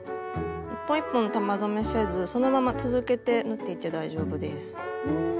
一本一本玉留めせずそのまま続けて縫っていって大丈夫です。